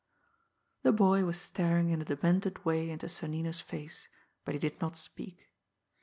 The boy was staring in a demented way into Sonnino's face, but he did not speak.